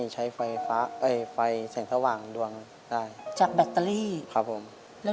ข้าวที่คะก็ได้ใช้ไฟเสียงธวังอ่ะ